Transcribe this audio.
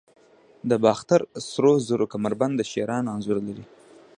د باختر سرو زرو کمربند د شیرانو انځور لري